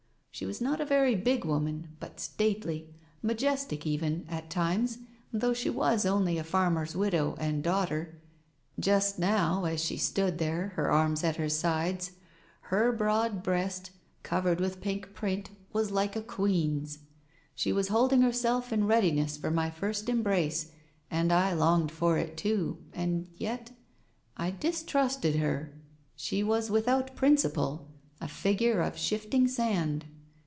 She was not a very big woman, but stately, majestic even, at times, though she was only a farmer's widow and daughter. Just now, as she stood there, her arms at her sides, her broad breast, covered with pink print, was like a queen's. She was holding herself in readiness for my first embrace, and I longed for it too, and yet — I distrusted her. ... She was without prin ciple, a figure of shifting sand.